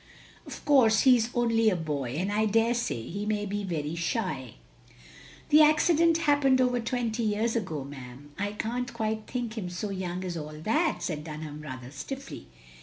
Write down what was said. Of course he is only a boy, and I dare say he may be very shy. " "The accident happened over twenty years ago, ma'am; I can't quite think him so young as all that," said Dunham, rather stiffly.